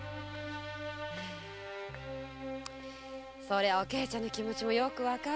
そりゃぁおけいちゃんの気持ちもよくわかるよ。